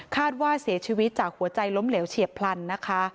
ว่าเสียชีวิตจากหัวใจล้มเหลวเฉียบพลันนะคะ